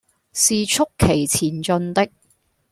是促其前進的，